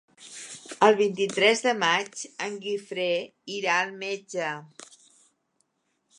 El vint-i-tres de maig en Guifré irà al metge.